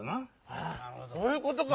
そういうことか！